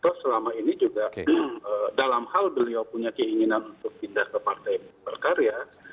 toh selama ini juga dalam hal beliau punya keinginan untuk pindah ke partai berkarya